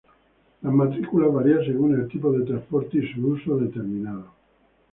Las matrículas varían según el tipo de transporte y su uso determinado.